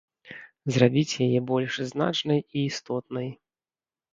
Зрабіць яе больш значнай і істотнай.